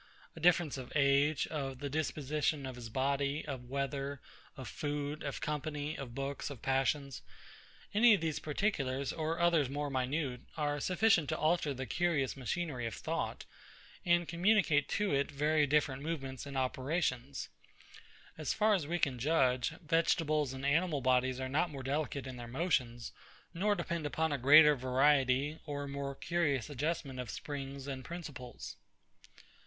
A difference of age, of the disposition of his body, of weather, of food, of company, of books, of passions; any of these particulars, or others more minute, are sufficient to alter the curious machinery of thought, and communicate to it very different movements and operations. As far as we can judge, vegetables and animal bodies are not more delicate in their motions, nor depend upon a greater variety or more curious adjustment of springs and principles.